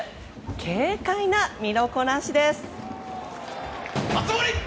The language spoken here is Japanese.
軽快な身のこなしです。